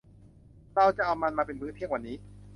เราจะเอามันมาเป็นมื้อเที่ยงวันนี้